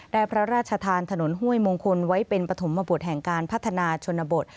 พระราชทานถนนห้วยมงคลไว้เป็นปฐมบทแห่งการพัฒนาชนบท